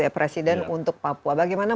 presiden untuk papua bagaimana